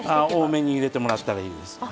多めに入れてもらったらいいです。